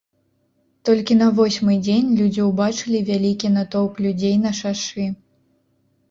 Толькі на восьмы дзень людзі ўбачылі вялікі натоўп людзей на шашы.